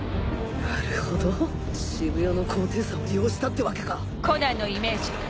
なるほど渋谷の高低差を利用したってわけか。